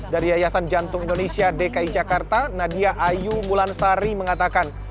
dari yayasan jantung indonesia dki jakarta nadia ayu mulansari mengatakan